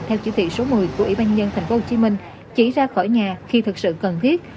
theo chỉ thị số một mươi của ủy ban nhân tp hcm chỉ ra khỏi nhà khi thực sự cần thiết